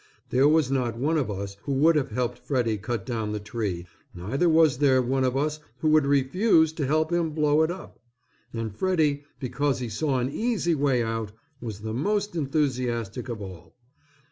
There was not one of us who would have helped Freddy cut down the tree, neither was there one of us who would refuse to help him blow it up, and Freddy, because he saw an easy way out, was the most enthusiastic of all.